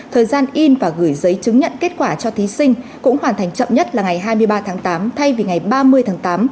thời gian in và gửi giấy chứng nhận kết quả cho thí sinh cũng hoàn thành chậm nhất là ngày hai mươi ba tháng tám thay vì ngày ba mươi tháng tám